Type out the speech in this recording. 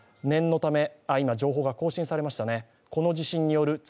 今、情報が更新されましたね。